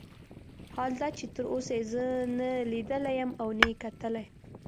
حال دا چې تر اوسه یې زه نه لیدلی یم او نه یې کتلی.